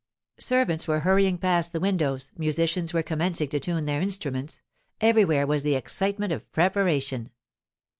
Servants were hurrying past the windows, musicians were commencing to tune their instruments; everywhere was the excitement of preparation.